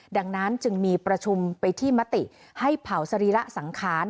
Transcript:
ดังนั้นจึงมีประชุมไปที่มติให้เผาสรีระสังขาร